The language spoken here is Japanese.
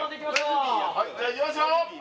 はいじゃあいきますよ！